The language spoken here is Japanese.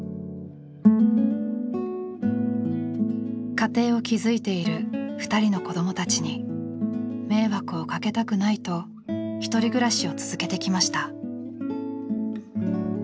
家庭を築いている２人の子どもたちに迷惑をかけたくないとひとり暮らしを続けてきました。